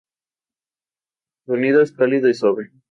Su sonido es cálido y suave.